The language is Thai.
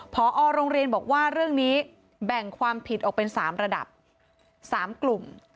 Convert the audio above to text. พอโรงเรียนบอกว่าเรื่องนี้แบ่งความผิดออกเป็น๓ระดับ๓กลุ่ม